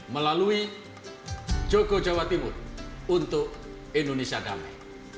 melalui jogo jawa timur untuk indonesia damai